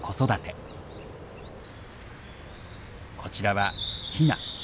こちらはヒナ。